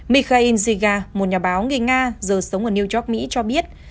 mikhail jiga một nhà báo người nga giờ sống ở new york mỹ cho biết